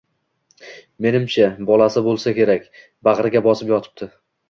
— Menimcha, bolasi bo‘lsa kerak, bag‘riga bosib yotibdi.